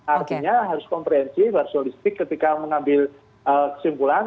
artinya harus komprehensi harus jual listrik ketika mengambil kesimpulan